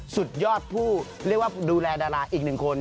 สุดยอดผู้องดูแลดาราอีกหนึ่งคน